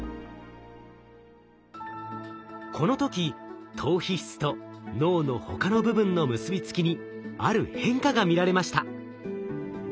この時島皮質と脳の他の部分の結びつきにある変化が見られました。